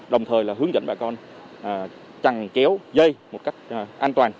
đồng thời là hướng dẫn bà con trằng kéo dây một cách an toàn